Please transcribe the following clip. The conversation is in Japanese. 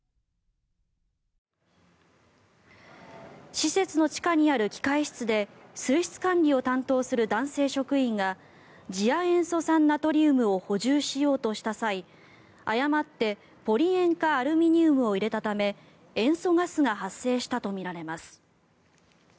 施設の地下にある機械室で水質管理を担当する男性職員が次亜塩素酸ナトリウムを補充しようとした際誤ってポリ塩化アルミニウムを入れたため塩素ガスが発生したとみられます。